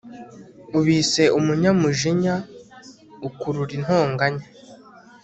ubise umunyamujinya ukurura intonganya